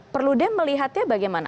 perlu deh melihatnya bagaimana